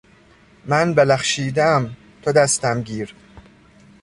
من بلخشیدهام تو دستم گیر